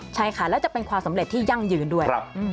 ใช่ค่ะแล้วจะเป็นความสำเร็จที่ยั่งยืนด้วย